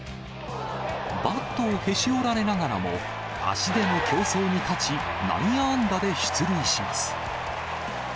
バットをへし折られながらも、足での競争に勝ち、内野安打で出塁します。